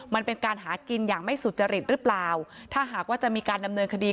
มันเป็นการหากินอย่างไม่สุจริตหรือเปล่าถ้าหากว่าจะมีการดำเนินคดี